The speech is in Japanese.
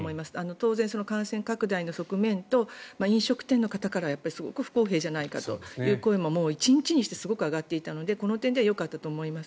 当然、感染拡大の側面と飲食店の方からはすごく不公平じゃないかという声も１日にしてすごく上がっていたのでこの点ではよかったと思います。